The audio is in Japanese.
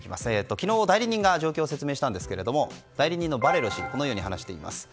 昨日、代理人が状況を説明したんですが代理人のバレロ氏はこのように話しています。